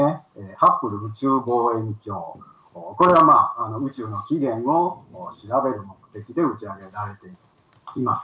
ハッブル宇宙望遠鏡、これが宇宙の起源を調べる目的で打ち上げられています。